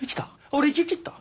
俺生き切った？